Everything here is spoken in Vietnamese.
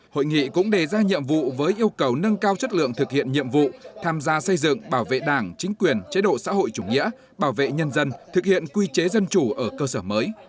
hội nghị cũng đề ra nhiệm vụ với yêu cầu nâng cao chất lượng thực hiện nhiệm vụ tham gia xây dựng bảo vệ đảng chính quyền chế độ xã hội chủ nghĩa bảo vệ nhân dân thực hiện quy chế dân chủ ở cơ sở mới